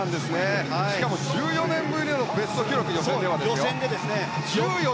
しかも１４年ぶりのベスト記録ですよ。